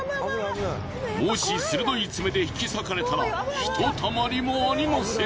もし鋭い爪で引き裂かれたらひとたまりもありません。